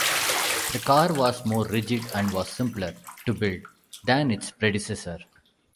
The car was more rigid and was simpler to build than its predecessor.